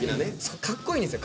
かっこいんですよ。